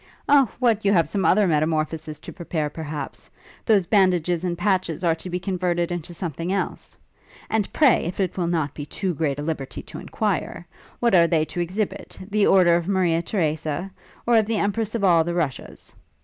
'O! what, you have some other metamorphosis to prepare, perhaps? Those bandages and patches are to be converted into something else? And pray, if it will not be too great a liberty to enquire, what are they to exhibit? The order of Maria Theresa? or of the Empress of all the Russias?